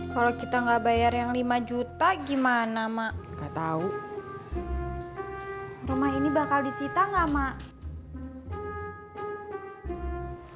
kalau kita nggak bayar yang lima juta gimana mak nggak tahu rumah ini bakal disita nggak mak